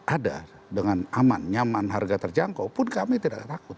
ada dengan aman nyaman harga terjangkau pun kami tidak takut